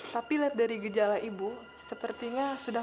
tapi lihat dari gejala ibu sepertinya sudah